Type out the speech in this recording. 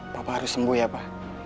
papa harus sembuh ya pa